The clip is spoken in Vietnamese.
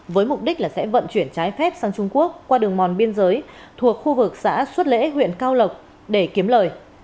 với mục đích là sẽ vận chuyển trái phép sang trung quốc qua đường mòn biên giới thuộc khu vực xã xuất lễ huyện cao lộc để kiếm lời